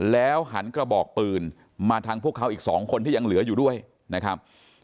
แล้วหันกระบอกปืนมาทางพวกเขาอีก๒คนที่ยังเหลืออยู่ด้วยนะครับ